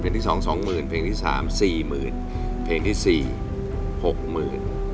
ที่สองสองหมื่นเพลงที่สามสี่หมื่นเพลงที่สี่หกหมื่น